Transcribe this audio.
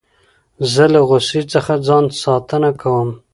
زه له غوسې څخه ځان ساتنه کوم.